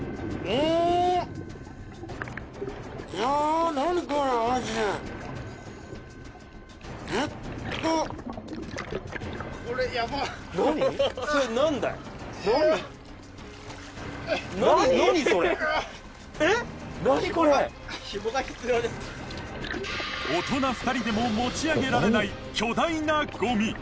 大人２人でも持ち上げられない巨大なゴミ